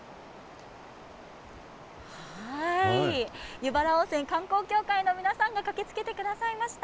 湯原温泉観光協会の皆さんが駆けつけてくださいました。